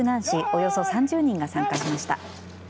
およそ３０人が参加しました。